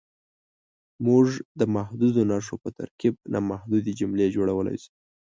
موږ د محدودو نښو په ترکیب نامحدودې جملې جوړولی شو.